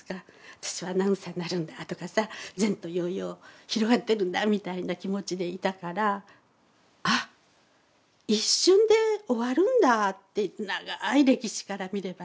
私はアナウンサーになるんだとかさ前途洋々広がってるんだみたいな気持ちでいたからあ一瞬で終わるんだって長い歴史から見ればね。